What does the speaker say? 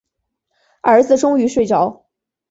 儿子终于睡着